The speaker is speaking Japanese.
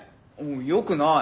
よくない！